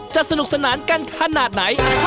สนุกสนานกันขนาดไหน